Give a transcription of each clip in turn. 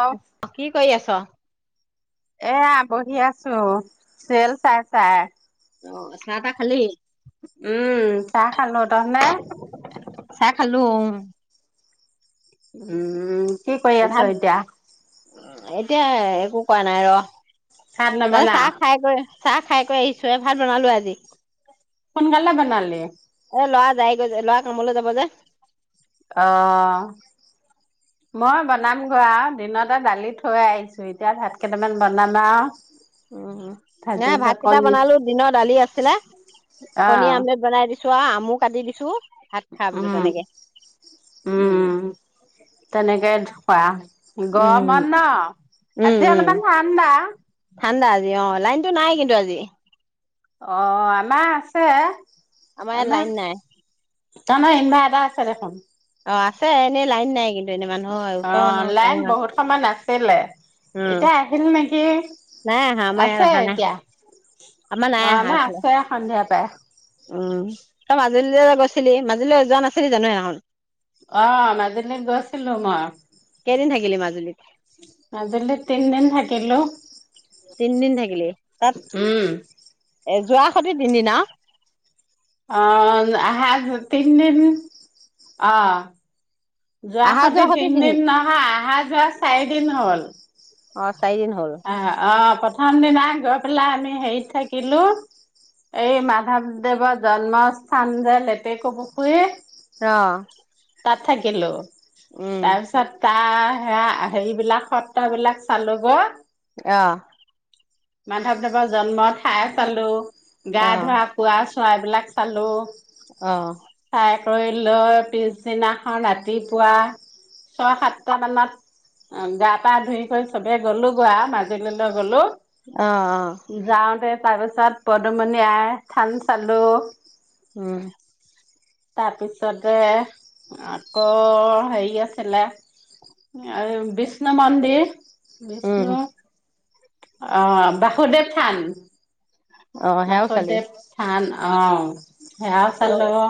অ কি কৰি আছ? এয়া বহি আছোঁ চেল চাই, চাই। অ', চাহ তা খালি? উম চাহ খালোঁ,? তোহটে? চাহ খালো উম। উম, কি কৰি অ', ভাত আছা এতিয়া? এতিয়া একো কৰা নাই ৰ ভাত মানে নবনা চাহ খাই গৈ চাহ খাই কৰি আহিছোঁ ভাত বনালোঁ আজি। সোনকালে বনালি। এ ল'ৰা যাই গৈ যে লৰা কামলৈ যাব যে। অ', মই বনামগৈ আৰু দিনতে দালি থৈ আহিছোঁ। দুুইতাৰ ভাত কেইটামান বনামা আও উম, হা ভাজি ভাত কেইটা কণী বনালো দিনৰ দালি আছিলে অ কণী আমলেট বনাই দিছিলোঁ চোৱা আমু কাটি দিছোঁ ভাত খা বলো উম তেনেকে উম। তেনেকে ধুুৱোৱা উম, গৰমত ন উম, আজি উম, অলপমান ঠাণ্ডা ঠাণ্ডা আজি অ', লাইনতো নাই কিন্তু আজি। অ', আমাৰ আছে ইয়াত লাইন আমাৰ নাই তাহনৰ ইনভাৰ্টাৰ আছে দেখোন। অ', আছে এনেই লাইন নাই কিন্তু এনেই মানুহৰ ওচৰৰ অ' মানুহৰ কাম লাইন বহুত সময় আাছিলে, উম, এতিয়া আহিল নেকি নাই আহা আমাৰ ইয়াত আছে অহা নাই এতিয়া। আমাৰ নাই আহা। এইফালে আছে সন্ধিয়াৰ পাই। উম তই মাজুল গৈছিলি মাজুলী যোৱা নাছিলি জানো সেনাখন। অ', মাজুলীত গৈছিলো মই। কেইদিন থাকিলি মাজুলীত? মাজুলীত তিনদিন থাকিলোঁ। তিনিদিন থাকিলি তাত উম, এ যোৱা সতে তিনিদিন আৰু। অ', আহা তিনিদিন অ'। যোৱা অহা সতে সতি তিন তিনদিন আ। আহা, যোৱা চাৰি দিন হ'ল অ চাৰিদিন হ'ল আহা অ'প্ৰ থমদিনাই গই পেলাই আমি হেৰিত থাকিলো। এই মাধৱদেৱৰ জন্মস্থান যে লেটেকু পুখুৰীত। অ'। তাত থাকিলোঁ, উম তাৰপিছত তাৰ সেয়া হেৰিবিলাক সত্ৰ বিলাক চালোগ। অ'। মাধৱদেৱৰ জন্ম ঠাই পালো, গা অ ধোৱা কুৱা চোৱাবিলাক চালোঁ। অ'। ফাই কৰি লৈ পিছদিনা অ, ৰাতিপুৱা ছয় সাতটা মানত উম, গা পা ধুই কৰি চবে গ'লো গোৱা মাজুলীলৈ গ'লো। অ', অ'। যাওঁতে তাৰ পিছত পদুমণি আই থান চালো। উম। তাৰপিছতে আকৌ হেৰি আছিলে [unintelligible] বিষ্ণু মন্দিৰ। উম বিষ্ণু অ', বাসুদেৱ থান। অ সেয়াও চালি বাসুদেৱ থান অ', সেয়াও অ চালোঁ।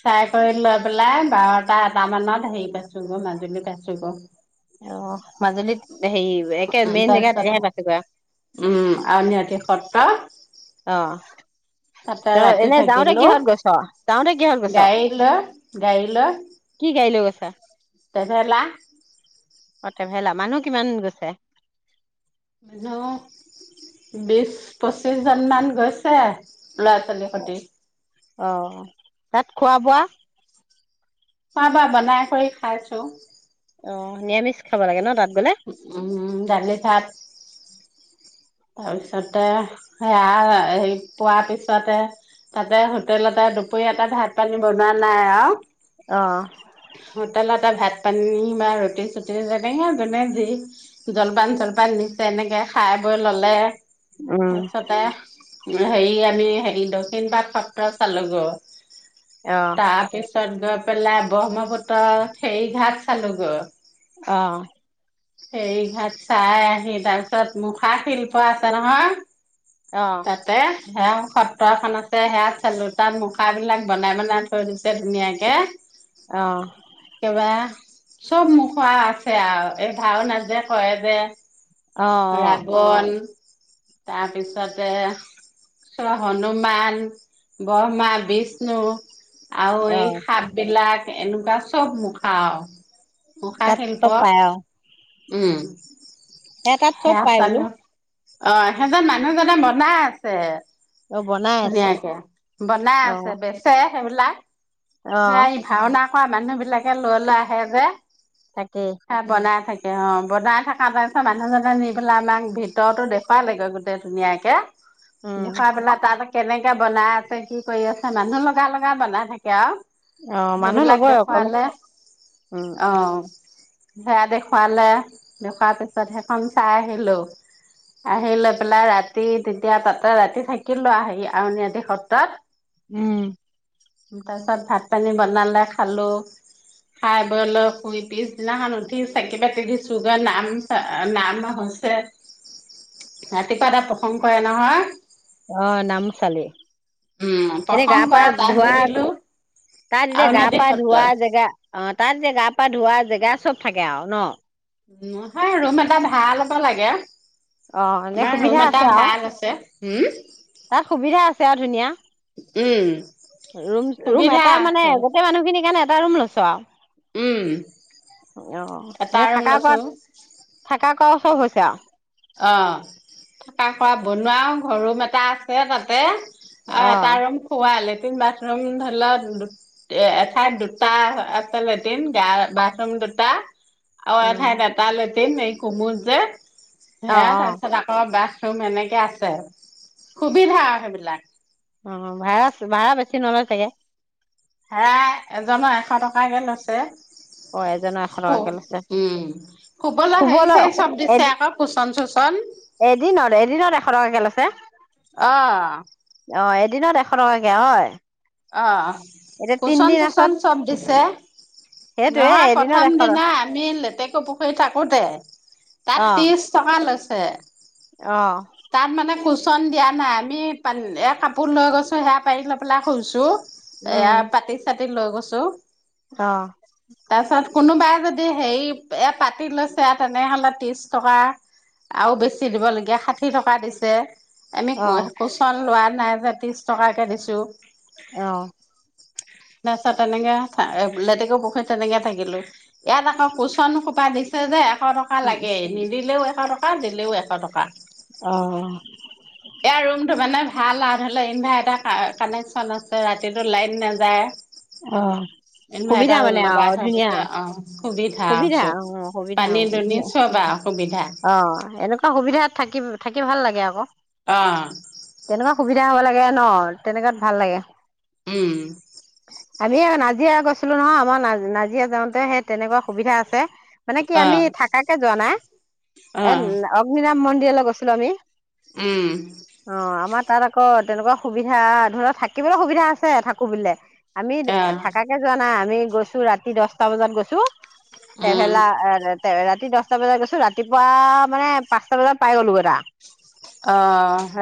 [unintelligible] কৰি লৈ পেলাই বাৰটা এটা মানত হেৰি পাইছোগ' মাজুলী পাইছোগ'। অ', মাজুলীত হেৰি একে মেইন জেগা তাৰপিছত তেতিয়াহে পাইছোগৈ। উম, আউনীআটী সত্ৰ। অ'। তাতে ত' ৰাতি এনে যাওঁতে থাকিলো কিহত গৈছ, যাওঁতে কিহত গৈছ? গাড়ী লৈ গাড়ী কি গাড়ী লৈ গৈছা? টেভেলা অ', ট্ৰেভেলা মানুহ কিমান গৈছে? মানুহ বিশ পঁচিশ জন মান গৈছে। ল'ৰা ছোৱালী হতি। অ', তাত খোৱা বোৱা? খোৱা বোৱা বনাই কৰি খাইছোঁ। অ', নিৰামিচ খাব লাগে ন' তাত গ'লে? উম, উম, দালি ভাত। তাৰপিছতে [unintelligible] পোৱা পিছতে তাতে হোটেলতে দুপৰীয়াতে ভাত পানী বনোৱা নাই আৰু। অ'। হোটেলতে ভাত পানী বা ৰুটি চুটি যেনেকে যোনে যি জলপান চলপান নিশ্চয় এনেকে খাই বৈ ল'লে, উম তাৰপিছতে উম, হেৰি আমি হেৰি দক্ষিণ পাট সত্ৰ চালোগ' অ তাৰ পিছ ছত গৈ পেলাই ব্ৰহ্মপুত্ৰ খেৰী ঘাট চালো গৈ। অ'। ফেৰী ঘাট চাই আহি তাৰ পিছত মোখ খা শিল্প আছে নহয়। অ'। তাতে সেয়াওঁ সত্ৰ এখনতে সেয়া চালোঁ, তাত মুখাবিলাক বনাই বনাই থৈ দিছে ধুনীয়াকে। অ'। কিবা চব মুখো আছে আউ এই ভাওনা যে কৰে যে। অ' অ'। বন তাৰপিছতে ছ হনুমান, ব্ৰহ্মা, বিষ্ণু- আৰু অ এই সাপ বিলাক এনেকুৱা চব মুখা আওঁ। মুখা তাত চব শিল্প পাই অ উম সে তাত চব সেয়া পাই বোলো চালো। অ' সেইজন মানুহজনে বনাই আছে। অ বনাই আছে ধুনীয়াকে বনাই অ আছে বেছ ছে সেইবিলাক অ সেয়া ভাওনা কৰা মানুহ বিলাকে লৈ লৈ আহে যে। তাকেই। সেয়া বনাই থাকে অ'। বনাই থাকা পা মানুহজনে নি পেলাই আমাক ভিতৰতো দেখ দেখোৱালেগে গোটেই ধুনীয়াকে। উম দেখুৱাই পেলাই তাত কেনেকে বনাই আছে কি কৰি আছে মানুহ লগাই লগাই বনাই থাকে আও অ মানুহ সেইবিলাক ল'বই অকলে দেখুৱালে উম অ'। সেয়া দেখুৱালে দেখুৱাৰ পিছত সেইখন চাই আহিলো। আহি লৈ পেলাই ৰাতি তেতিয়া তাতে ৰাতি থাকিলো আহি আউনীআটী সত্ৰত। উম। তাপিছত ভাত পানী বনালে খালোঁ। খাই বৈ লৈ শুই পিছদিনাখন উঠি চাকি বাতি দিছোগে নাম নাম হৈছে [inaudible] ৰাতিপুৱা তাত প্ৰসংগ কৰে নহয়। অ' নাম চালি উম এনে গা প্ৰসংগ পা কৰা তাত ধোৱা, বহিলো তাত এতিয়া গা আউনীআটী পা ধোৱা সত্ৰত জেগা অ, তাত যে গা পা ধোৱা জেগা চব থাকে আউ ন' নহয়, ৰুম এটা ভাৰা লব লাগে। অ, এনে আমাৰ ৰুম সুবিধা এটা আছে আউ। ভাল আছে উম তাত সুবিধা আছে আৰু ধুনীয়া উম ৰুম, ৰুম সুবিধা এটা মানে আছে গোটেই মানুহখিনিৰ কাৰণে এটা ৰুম লৈছ আউ উম অ, এটা এনে ৰুম থাকাৰ লৈছো পৱাত থাকা কৰা চব হৈছে আউ। অ, থাকা কৰা বনোৱাও, ঘ ৰুম এটা আছে তাতে। অ, এটা ৰুম খোৱা। লেট্ৰিন বাথৰুম ধৰি ল দু এ, এঠাইত দুটা আছে লেটিন, গা বাথৰুম দুটা আউ উম এঠাইত এটা লেটিন, এই কোমোদ যে অ সেয়া অ তাৰপিছত আকৌ বাথৰুম এনেকে আছে, সুবিধা আৰু সেইবিলাক। অ, ভাড়া ভাড়া বেছি নলয় চাগে ভাৰা এজনৰ এশ টকাকে লৈছে। অ এজনৰ এশ সু, টকাকে লৈছে উম। শুবলৈ হেৰি শুবলৈ চেৰী চব এদ দিছে আকৌ। কোচণ চোচণ এদিনত, এদিনত এশ টকাকে লছে অ'। অ, এদিনত এশ টকাকে হয়। অ, এতিয়া কোচন তিনদিন চোচন আছত চব দিছে। সেইটোয়ে নহয়, এদিনত প্ৰথম এশ টকা দিনা আমি লেতেকু পুখুৰী থাকোতে, অ তাত তিছ চকা লৈছে। অ। তাত মানে কুচন দিয়া নাই। আমি এয়া কাপোৰ লৈ গৈছো সেয়া পাৰি লৈ পেলাই শুইছো। এইয়া উম পতি চাতি লৈ গৈছো। অ '। তাৰপিছত কোনোবাই যদি সেই এইয়া পাতি লৈছে, তেনেহলে ত্ৰিশ টকা। আৰু বেছি দিবলগীয়া, ষাঠি টকা দিছে। আমি অ কু কুচন লোৱা নাই যে ত্ৰিশ টকাকে দিছো। অ। তাৰপিছত তেনেকে এ লেতেকু পুখুৰীত তেনেকে থাকিলো। ইয়াত আকৌ কুচন সোপা দিছে যে এশ ট কা লাগে, নিদিলেও এশ টকা দিলেও এশ টকা। অ। ইয়াৰ ৰুম টো মানে ভাল আও ধৰিল, ইনভাৰ্টাৰ কা কানে ক্টশ্যন আছে। ৰাতিটো লাইট নাযায়। অ। সুবিধা ইনভাৰ্টাৰ মানে আও লগাই থৈ ধুনীয়া। দিছে অ আৰু সুবিধা চব। অ অ সুবিধা, পানী অ দুনি ধুনীয়া। চব আৰু সুবিধা অ, এনেকুৱা সুবিধাত থাকি, থাকি ভাল লাগে আক। অ। তেনেকুৱা সুবিধা হ'ব লাগে আও ন, তেনেকুৱাত ভাল লাগে। উম। খালি আও নাজিৰা গৈছিলো নহয়। আমাৰ না নাজিৰা যাওঁতে সেই তেনেকুৱা সুবিধা আছে। মানে কি অ আমি থাকাকে যোৱা নাই, অ এ অগ্নিনাভ মন্দিৰলে গৈছিলো আমি। উম। অ, আমাৰ তাত আক তেনেকুৱা সুবিধা ধৰি লও থাকিবলে সুবিধা আছে, থাকো বুলিলে। আমি অ থাকাকে যোৱা নাই, আমি গৈছো ৰাতি দহটা বজাত গৈছো, উম টেভেলাৰ এ ৰেত ৰাতি দহটা বজাত গৈছো, ৰাতিপুৱা মানে পাঁচটা বজাত পাই গ'লো তা। অ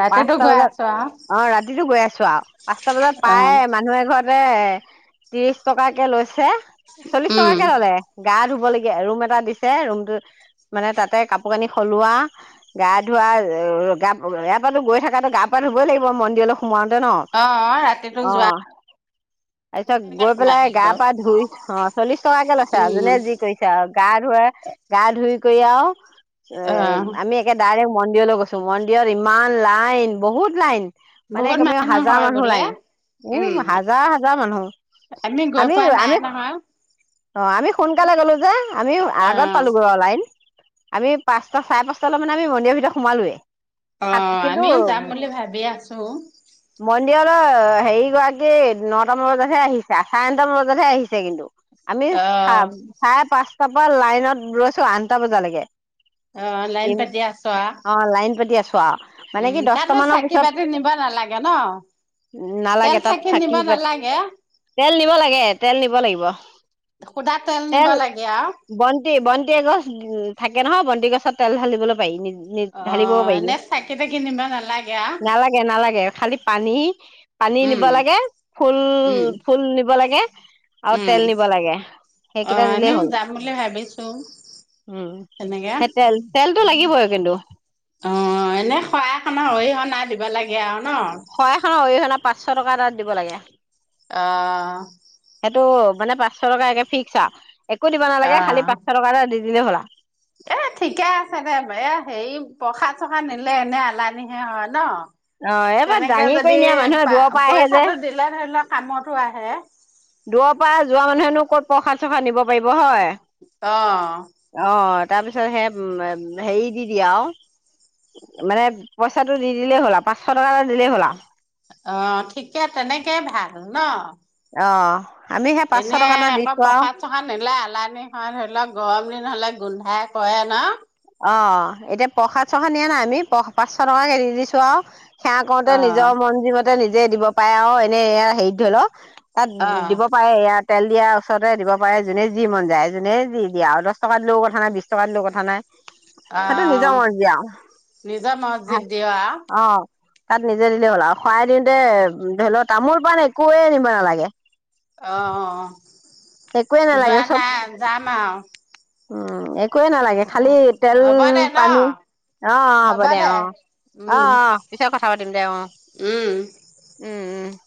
ৰাতিটো পাঁচটা গৈ বজাত। আছো আৰু অ', ৰাতিটো গৈ আছো আও পাঁচটা বজাত অ পায় মানুহে এঘৰতে ত্ৰিশ টকাকে লৈছে, চল্লিশ উম টকাকে ললে, গা ধুবলগীয়া ৰুম এটা দিছে ৰুমটো, মানে তাতে কাপোৰ কানি হলোৱা, গা ধুৱা এ ইয়াৰপাতো গৈ থাকাতো গা পা ধুবই লাগিব মন্দিৰলৈ সোমাওঁতে ন, অ অ ৰাতিটো অ যোৱা তাৰপিছত কেনেকে গৈ পেলাই গা সোমাব পা ধুই, অ চল্লিশ টকাকে লৈছে আও জোনে উম যি কৰিছে। আও গা ধুৱে গা ধুই কৰি আও এ অ আমি এ ডাইৰেক্ট মন্দিৰলৈ গৈছো মন্দিৰত ইমান লাইন বহুত লাইন। মানে বহুত কমেও হাজাৰ হয় মানুহ বোলে লাইন, এও উম হাজ জাৰ হাজাৰ মানুহ, আমি গৈ পোৱা আমিও নাই আমি নহয় অ আমি সোনকালে গ'লো যে আমি অ আগত পালো গৈ। লাইন, আমি পাঁচটা চাৰে পাঁচটালৈ মানে আমি মন্দিৰৰ ভিতৰত সোমালোৱে। অ সাত কিন্তু আমিও যাম বুলি ভাবি আছো। মন্দিৰৰ হেৰি গৰাকী, নটা মান বজতহে আহিছা চাৰে নটা মান বজাতহে আহিছে কিন্তু, আমি অ চা চাৰে পাঁচটাৰ পৰা লাইনত ৰৈছো আঠটা বজালেকে। অ। লাইন পাতি আছ আ। অ লাইন পাতি আছো আৱ। উম। তাতে চাকি বাতি নিব নালাগে ন? তেল নালাগে তাত চাকি নিব নালাগে? তেল নিব লাগে, তেল নিব লাগিব। সুধা তেল নিব লাগে আৱ। বন্তি বন্তি এগছ উ থাকে নহয়। বন্তি গছত তেল ঢালিবলৈ পাৰি নিজ অ ঢালিব পাৰিবি। এনে চাকি তাকি নিব নালাগে আও নালাগে নালাগে, খালি পানী পানী উম নিব লাগে। ফুল উম ফুল নিব লাগে। আও উম তেল নিব লাগে। অ সেইকেইটা নিলেই আমিও হ'ল। যাম বুলি ভাবিছো উম তেনেকে সে তেল, তেলটো লাগিবই কিন্তু। অ এনে শৰাইখন আৰু অৰিহনা দিব লাগে আও ন? শৰাইখন অৰিহণা পাঁচশ টকা এটা দিব লাগে। আ। সেইটো মানে পাঁচশ টকা একে ফিক্স আ। একো দিব অ নালাগে, খালি পাঁচশ টকা এটা দি দিলে হ'ল আ। এ ঠিকে আছে দে। এ হেৰি প্ৰসাদ চসাদ নিলে এনে এলানিহে হয় ন। অ এইবাৰ তেনেকে দাঙি কৰি যদি নিয়া মানুহে পা দূৰৰ পৰা আহে যে পইচাটো দিলে ধৰি লোৱা কামতো আহে। দূৰ পা যোৱা মানুহেনো ক'ত প্ৰসাদ চসাদ নিব পাৰিব হয়। অ। অ তাৰ পিছত সে হেৰি দি দিয়ে আৱ। মানে পইচাটো দি দিলেই হ'ল আ। পাঁচশ টকা এটা দিলেই হ'ল আ। অ ঠিকে, তেনেকে ভাল ন। অ আমি সেই পাঁচশ টকা এটা দিছো আৱ। খন নিলে এলানি হয়। ধৰি লওক গৰম দিন হলে গোন্ধাই কৰে ন। অ। এতিয়া প্ৰসাদ ছসাদ নিয়া নাই আমি। প পাঁচশ টকাকে দি দিছো আৱ। সেৱা কৰোতে অ নিজৰ মন জি মতে নিজে দিব পাৰে আৱ এনেই এ হেৰিত ধৰি ল। তাত অ দিব পাৰে ইয়াত। তেল দিয়া ওচৰতে দিব পাৰে। যোনে যি মন যায়, যোনে যি দিয়ে আৱ। দছ টকা দিলেও কথা নাই, বিছ টকা দিলেও কথা নাই। অ সেইটো নিজৰ মৰজি আৱ। নিজৰ মছজিদ দিয় অ। তাত নিজে দিলে হ'ল আৱ। শৰাই দিওঁতে ধৰি ল, তামোল পাণ একোৱে নিব নালাগে। অ, অ, অ। একোৱে নালাগে যোৱা চব নাই যাম আৱ। উম। একোৱেই নালাগে, খালি তেল, হ'ব দে ন পানী। অ----অ হ'ব দে অ। অ, উম অ, পিছত কথা পাতিম দে। উম। উম উম, উম।